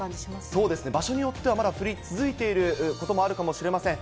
そうですね、場所によってはまだ降り続いていることもあるかもしれません。